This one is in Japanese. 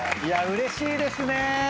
いやうれしいですね。